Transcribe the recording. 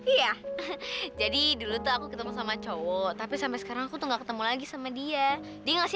iya jadi dulu tuh aku ketemu sama cowok tapi sampai sekarang aku tuh gak ketemu lagi sama dia dia ngasih